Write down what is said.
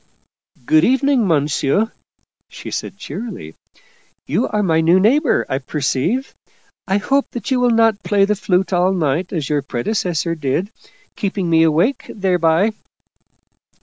" Good evening, Monsu," she said cheerily. " You are my new neighbor, I perceive. I hope that you will not play the flute all night as your predecessor did, keeping me awake thereby."